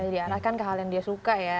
diarahkan ke hal yang dia suka ya